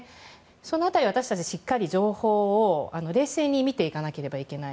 その辺りは私たちがしっかり情報を冷静に見ていかなくてはいけない。